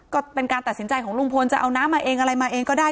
ก็เป็นการตัดสินใจของลุงพลจะเอาน้ำมาเองอะไรมาเองก็ได้